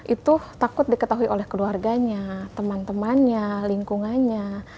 itu takut diketahui oleh keluarganya teman temannya lingkungannya